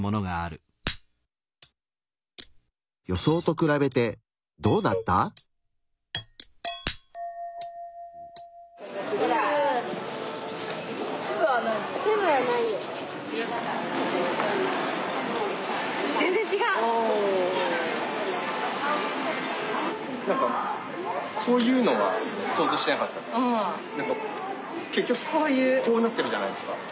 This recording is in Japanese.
結局こうなってるじゃないですか。